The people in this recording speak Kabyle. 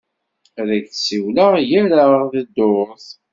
Ad ak-d-siwleɣ gar-aɣ d ddurt.